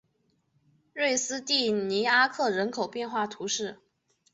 瑞斯蒂尼阿克人口变化图示